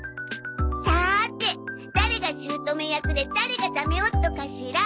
さーて誰がしゅうとめ役で誰がダメ夫かしら？